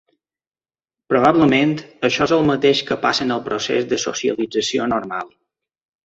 Probablement, això és el mateix que passa en el procés de socialització normal.